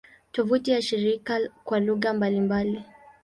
Tovuti ya shirika kwa lugha mbalimbali